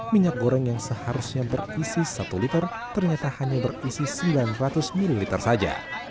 minyak goreng yang seharusnya berisi satu liter ternyata hanya berisi sembilan ratus ml saja